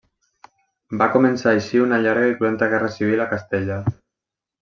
Va començar així una llarga i cruenta guerra civil a Castella.